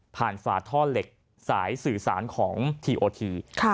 ฝาท่อเหล็กสายสื่อสารของทีโอที